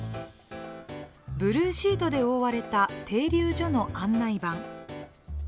ブルーシートで覆われた停留所の案内板。